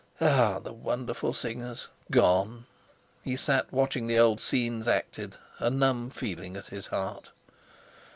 Ah! the wonderful singers! Gone! He sat watching the old scenes acted, a numb feeling at his heart.